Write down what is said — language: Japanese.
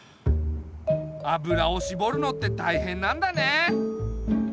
油をしぼるのってたいへんなんだね。